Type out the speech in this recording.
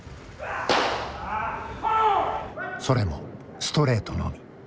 それもストレートのみ。